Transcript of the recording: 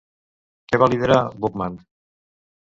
Què va liderar Boukman?